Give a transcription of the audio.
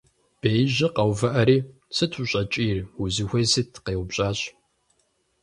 Беижьыр къэувыӀэри: - Сыт ущӀэкӀийр? Узыхуейр сыт?! - къеупщӀащ.